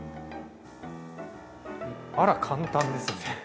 あら簡単ですね！